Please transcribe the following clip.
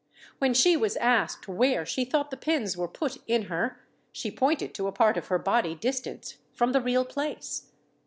When she was asked where she thought the pins were put in her, she pointed to a part of her body distant from the real place.